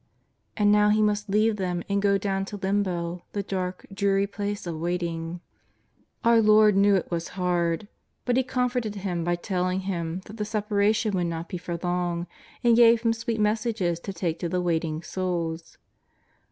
And now he must leave them and go down to Limbo, the dark, dreary place of waiting. Our Lord knew it was hard. But He comforted him by telling him that the separation would not be for long, and gave him sweet messages to take to the waiting souls.